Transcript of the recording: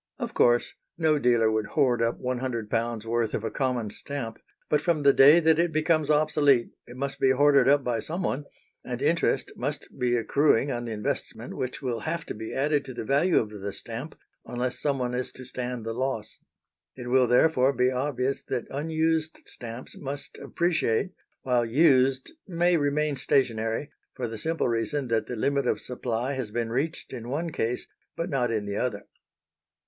Of course, no dealer would hoard up £100 worth of a common stamp, but from the day that it becomes obsolete it must be hoarded up by someone, and interest must be accruing on the investment which will have to be added to the value of the stamp, unless someone is to stand the loss. It will, therefore, be obvious that unused stamps must appreciate while used may remain stationary, for the simple reason that the limit of supply has been reached in one case but not in the other.